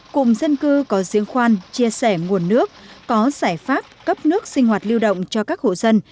cùng dân cư có riêng khoan chia sẻ nguồn nước có giải pháp cấp nước sinh hoạt lưu động cho các hộ dân